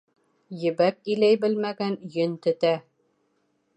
Ебәк иләй белмәгән йөн тетә